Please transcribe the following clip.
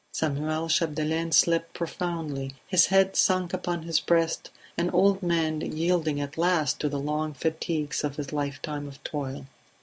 Samuel Chapdelaine slept profoundly, his head sunk upon his breast, an old man yielding at last to the long fatigues of his lifetime of toil.